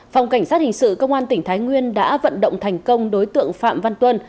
phòng cảnh sát hình sự công an tỉnh thái nguyên đã vận động thành công đối tượng phạm văn tuân